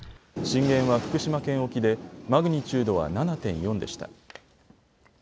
震源は福島県沖でマグニチュードは７．４でした。